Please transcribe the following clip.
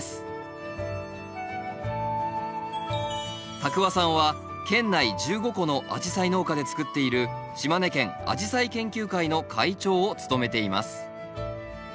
多久和さんは県内１５戸のアジサイ農家でつくっている島根県アジサイ研究会の会長を務めています